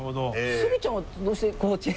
スギちゃんはどうしてこの地に？